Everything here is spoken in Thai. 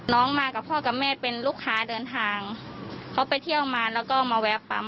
มากับพ่อกับแม่เป็นลูกค้าเดินทางเขาไปเที่ยวมาแล้วก็มาแวะปั๊ม